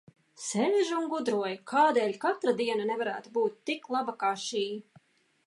Sēžu un gudroju, kādēļ katra diena nevarētu būt tik laba, kā šī.